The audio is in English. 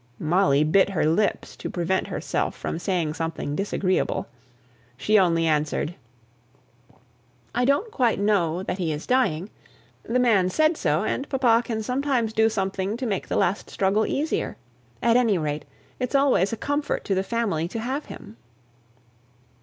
Molly bit her lips to prevent herself from saying something disagreeable. She only answered, "I don't quite know that he is dying. The man said so; and papa can sometimes do something to make the last struggle easier. At any rate, it's always a comfort to the family to have him."